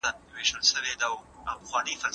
د ماسټرۍ برنامه بې هدفه نه تعقیبیږي.